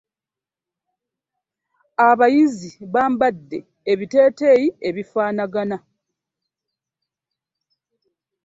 Abayizi bambadde ebiteteeyi ebifanagana.